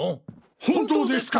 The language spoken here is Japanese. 本当ですか！？